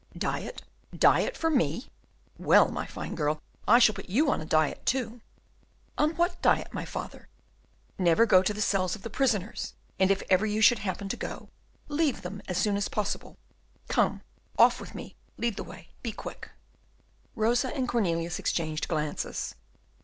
"Diet, diet for me? Well, my fine girl, I shall put you on diet too." "On what diet, my father?" "Never to go to the cells of the prisoners, and, if ever you should happen to go, to leave them as soon as possible. Come, off with me, lead the way, and be quick." Rosa and Cornelius exchanged glances.